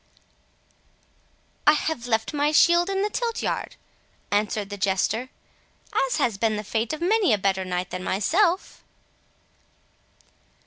"I have left my shield in the tilt yard," answered the Jester, "as has been the fate of many a better knight than myself."